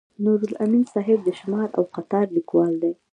نورالامین صاحب د شمار او قطار لیکوال دی.